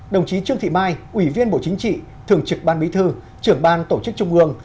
đồng chí trương thị mai ủy viên bộ chính trị thường trực ban bí thư trưởng ban tổ chức trung ương